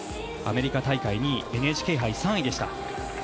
アメリカ大会、２位ＮＨＫ杯、３位でした。